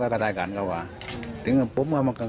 โกรธจากเรื่องอื่นต้องมารับเค้าแทนเพียงแค่อารมณ์โกรธจากเรื่องอื่น